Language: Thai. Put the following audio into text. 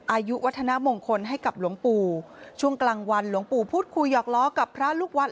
อายุวัฒนามงคลให้กับหลวงปู่ช่วงกลางวันหลวงปู่พูดคุยหยอกล้อกับพระลูกวัด